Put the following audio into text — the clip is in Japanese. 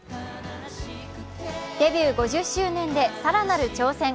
デビュー５０周年で更なる挑戦。